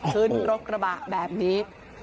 ขึ้นรถกระบะแบบนี้